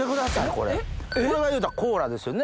これがいうたらコーラですよね？